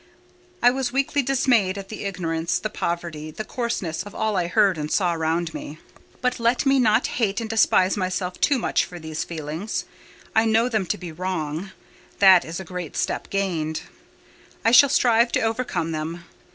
I was weakly dismayed at the ignorance, the poverty, the coarseness of all I heard and saw round me. But let me not hate and despise myself too much for these feelings; I know them to be wrong—that is a great step gained; I shall strive to overcome them.